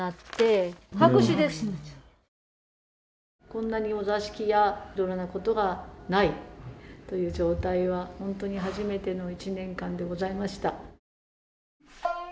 こんなにお座敷やいろいろなことがないという状態は本当に初めての１年間でございました。